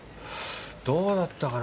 どうだったかな？